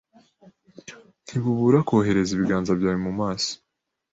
ntibubura kohereza ibiganza byawe mu maso